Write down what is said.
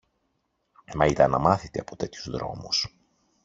Μα ήταν αμάθητη από τέτοιους δρόμους.